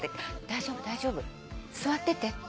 「大丈夫大丈夫座ってて」